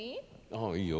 ああいいよ。